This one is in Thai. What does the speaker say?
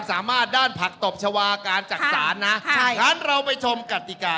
จะต้องไปสานในน้ำ